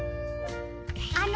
あの。